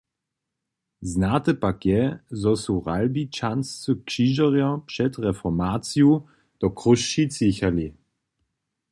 Znate pak je, zo su Ralbičanscy křižerjo před reformaciju do Chrósćic jěchali.